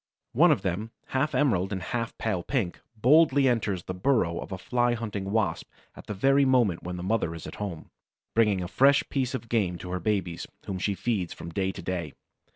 One of them, half emerald and half pale pink, boldly enters the burrow of a Fly hunting Wasp at the very moment when the mother is at home, bringing a fresh piece of game to her babies, whom she feeds from day to day.